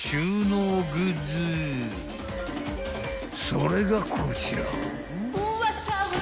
［それがこちら］